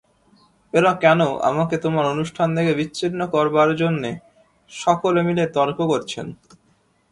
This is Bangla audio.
এঁরা কেন আমাকে তোমার অনুষ্ঠান থেকে বিচ্ছিন্ন করবার জন্যে সকলে মিলে তর্ক করছেন?